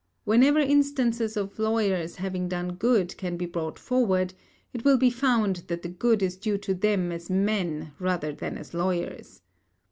Whenever instances of lawyers having done good can be brought forward, it will be found that the good is due to them as men rather than as lawyers.